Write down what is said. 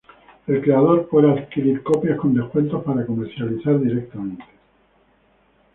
El creador puede adquirir copias con descuentos para comercializar directamente.